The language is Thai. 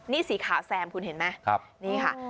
นี่สีขาวแซมคุณเห็นไหมนี่ค่ะ